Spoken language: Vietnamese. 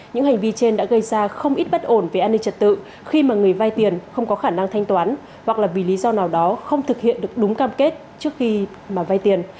những hành vi trên đã gây ra không ít bất ổn về an ninh trật tự khi mà người vay tiền không có khả năng thanh toán hoặc là vì lý do nào đó không thực hiện được đúng cam kết trước khi mà vay tiền